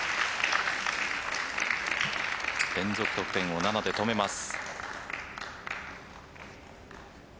連続得点を７で止めます。